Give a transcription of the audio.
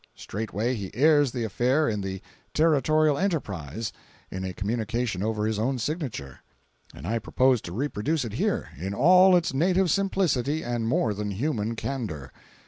Straightway he airs the affair in the "Territorial Enterprise," in a communication over his own signature, and I propose to reproduce it here, in all its native simplicity and more than human candor.